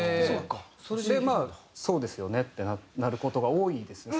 でまあ「そうですよね」ってなる事が多いですね